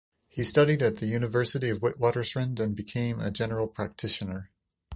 He studied at the University of the Witwatersrand and became a general practitioner.